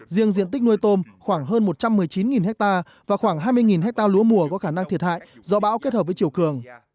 riêng diện tích nuôi tôm khoảng hơn một trăm một mươi chín ha và khoảng hai mươi hectare lúa mùa có khả năng thiệt hại do bão kết hợp với chiều cường